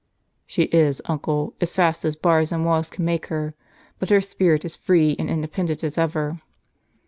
"She is, uncle, as fast as bars and walls can make her; but her spirit is free and independent as evei'."